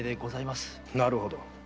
なるほど。